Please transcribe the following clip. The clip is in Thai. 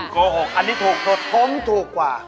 โกหกอันนี้ถูกสุดผมถูกกว่า